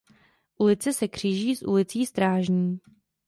Ulice se kříží s ulicí Strážní.